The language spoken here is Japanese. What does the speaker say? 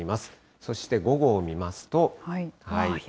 そして、午後を見ますと。